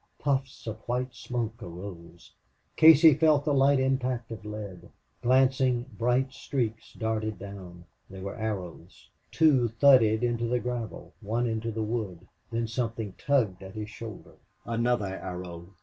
Puffs of white smoke arose. Casey felt the light impact of lead. Glancing bright streaks darted down. They were arrows. Two thudded into the gravel, one into the wood. Then something tugged at his shoulder. Another arrow!